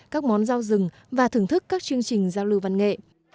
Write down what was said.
các món rau rừng và thưởng thức các chương trình giao lưu văn nghệ